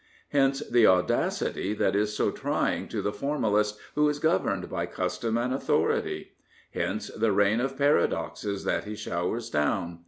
Hence the audacity that is so trying to the formalist who is governed by custom and authority. Hence the rain of paradoxes that he showers down.